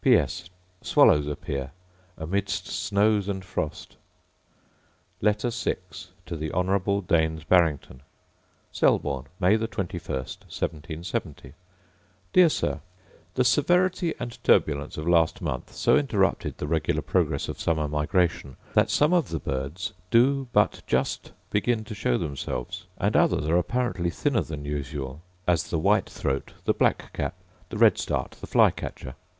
P.S. Swallows appear amidst snows and frost. Letter VI To The Honourable Daines Barrington Selborne, May 21, 1770. Dear Sir, The severity and turbulence of last month so interrupted the regular progress of summer migration, that some of the birds do but just begin to show themselves, and others are apparently thinner than usual; as the white throat, the black cap, the red start, the fly catcher.